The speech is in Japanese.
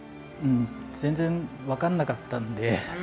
全然、分からなかったので。